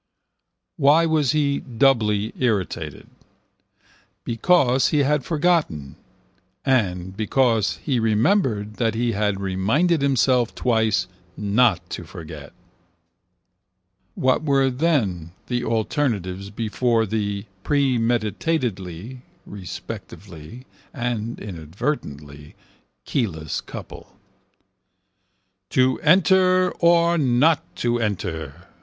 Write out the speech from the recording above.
Why was he doubly irritated? Because he had forgotten and because he remembered that he had reminded himself twice not to forget. What were then the alternatives before the, premeditatedly (respectively) and inadvertently, keyless couple? To enter or not to enter.